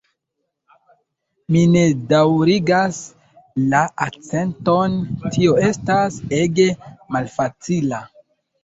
Mi ne daŭrigas la akĉenton tio estas ege malfacila